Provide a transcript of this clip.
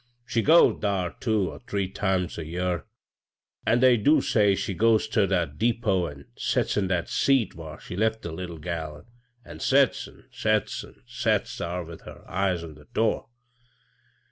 She goes ihar two or three times a year ; an' they do say she goes ter that de pot an' sets in that seat whar she left the lit tle gal, an' sets, an' sets, an' sets thar with her eyes on the door.